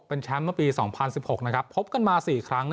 เป็นแชมป์เมื่อปี๒๐๑๖นะครับพบกันมา๔ครั้ง